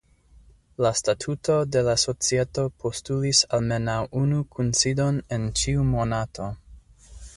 La statuto de la societo postulis almenaŭ unu kunsidon en ĉiu monato.